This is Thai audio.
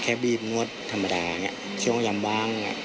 แค่บีบงวดธรรมดาลูกงาวงิงของอย่างที่ว่าง